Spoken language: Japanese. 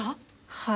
はい。